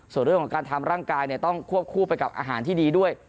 ส่วนเรื่องของการทำร่างกายต้องควบคู่ไปกับอาหารที่ดีด้วย